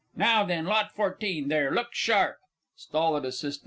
Now, then, Lot 14, there look sharp! STOLID ASSIST.